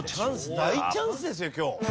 大チャンスですよ今日。